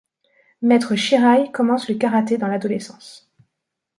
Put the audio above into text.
Maître Shiraï commence le karaté dans l'adolescence.